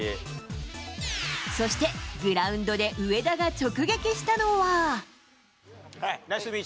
そして、グラウンドで上田が直撃したのは。